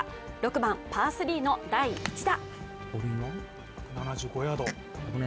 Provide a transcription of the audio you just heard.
６番パー３の第１打。